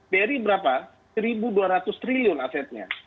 bsi berapa seribu dua ratus triliun asetnya